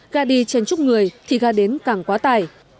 gà đi trên chút người thì gà đến càng quá tải